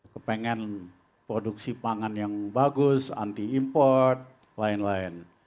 kepengen produksi pangan yang bagus anti import lain lain